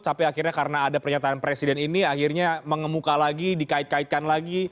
tapi akhirnya karena ada pernyataan presiden ini akhirnya mengemuka lagi dikait kaitkan lagi